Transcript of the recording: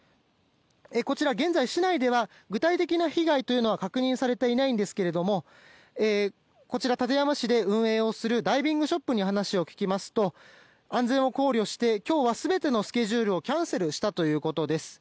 こちら現在市内では具体的な被害というのは確認されていないんですがこちら、館山市で運営をするダイビングショップに話を聞きますと安全を考慮して今日は全てのスケジュールをキャンセルしたということです。